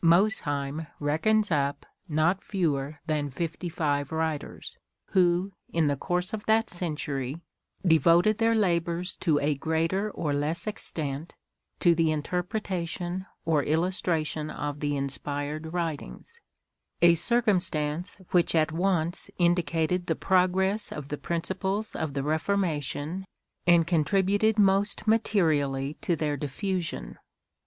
Mosheim reckons up not fewer than fifty five writers, who, in the course of that century, devoted their labours, to a greater or less extent, to the interpretation or illustration of the inspired writings — a circumstance which at once indicated the progress of the principles of the Reformation, and contributed most materially to their diffusion.